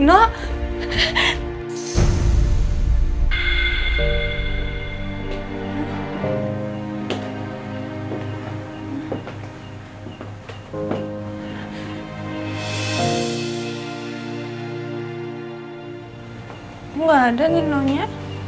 gue gak ada nino nya